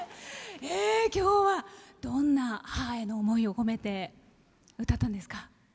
今日は、どんな母への思いを込めて歌ったんですか？